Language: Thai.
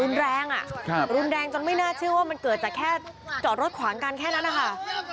แรงรุนแรงจนไม่น่าเชื่อว่ามันเกิดจากแค่จอดรถขวางกันแค่นั้นนะคะ